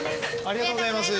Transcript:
ありがとうございます。